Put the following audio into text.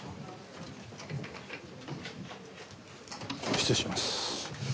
失礼します。